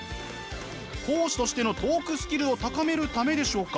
講師としてのトークスキルを高めるためでしょうか？